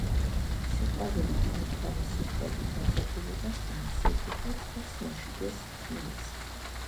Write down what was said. სიყვარულით ნათქვამი სიტყვები დაძაბულობას ამსუბუქებს და სიმშვიდეს ქმნის.